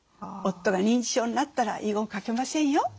夫が認知症になったら遺言書けませんよ。